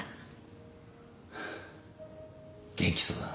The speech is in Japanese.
元気そうだな。